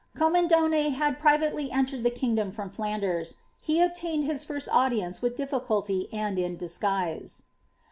^'' Commendone had pri vately entered the kingdom from Flanders ; he obtained his lirst audience with difficulty and in disguise.